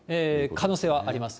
可能性はあります。